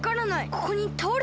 ここにたおれてた。